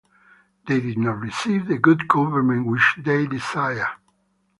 They did not receive the good government which they desired.